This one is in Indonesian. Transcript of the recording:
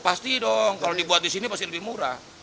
pasti dong kalau dibuat di sini pasti lebih murah